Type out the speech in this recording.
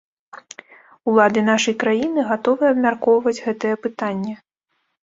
Улады нашай краіны гатовы абмяркоўваць гэтае пытанне.